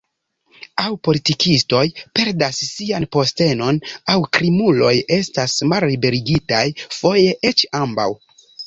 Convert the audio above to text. Aŭ politikistoj perdas sian postenon, aŭ krimuloj estas malliberigitaj, foje eĉ ambaŭ.